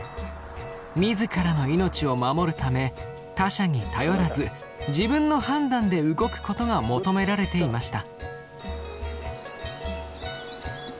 自らの命を守るため他者に頼らず自分の判断で動くことが求められていました。